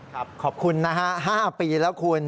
ขอบคุณนะฮะ๕ปีแล้วคุณ